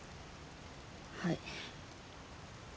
はい。